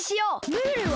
ムールは？